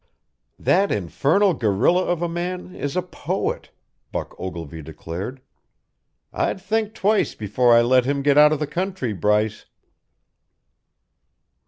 "That infernal gorilla of a man is a poet," Buck Ogilvy declared. "I'd think twice before I let him get out of the country, Bryce."